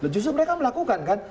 justru mereka melakukan kan